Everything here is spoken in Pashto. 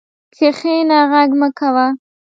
کښېنه، غږ مه کوه.